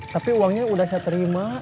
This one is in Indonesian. tapi uangnya sudah saya terima